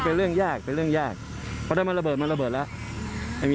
โอกาสที่จะมีเหตุ๗๔๐๐